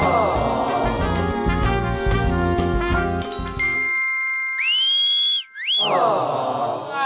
โอ้โห